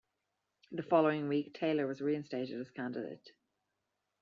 The following week, Taylor was reinstated as candidate.